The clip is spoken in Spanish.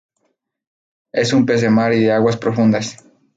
Es un pez de mar y de aguas profundas.